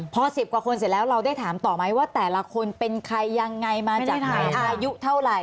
พอ๑๐กว่าคนเสร็จแล้วเราได้ถามต่อไหมว่าแต่ละคนเป็นใครยังไงมาจากไหนอายุเท่าไหร่